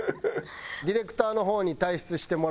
ディレクターの方に退出してもらいます。